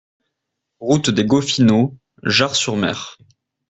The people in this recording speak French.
Route des Goffineaux, Jard-sur-Mer